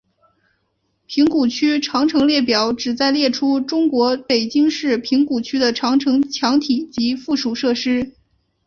平谷区长城列表旨在列出中国北京市平谷区的长城墙体及附属设施。